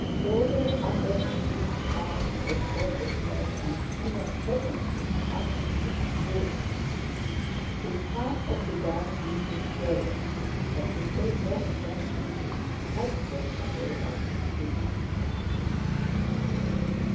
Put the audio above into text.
Jolyon uttered a deep sound the sort of noise an Italian peasant woman utters to her mule. His heart had begun beating furiously, but he paid no attention to it, quite carried away by his feelings.